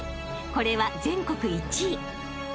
［これは全国１位］